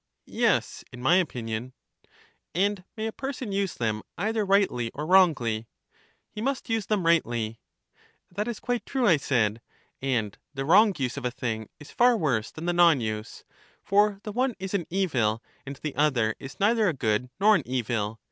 Yes, in my opinion. And may a person use them either rightly or wrongly? He must use them rightly. That is quite true, I said. And the wrong use of a thing is far worse than the non use; for the one is an evil, and the other is neither a good nor an evil.